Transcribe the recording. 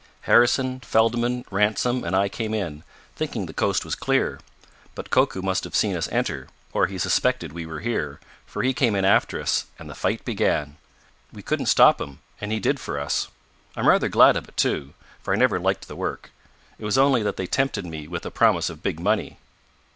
"Harrison, Feldman, Ransom and I came in, thinking the coast was clear. But Koku must have seen us enter, or he suspected we were here, for he came in after us, and the fight began. We couldn't stop him, and he did for us. I'm rather glad of it, too, for I never liked the work. It was only that they tempted me with a promise of big money."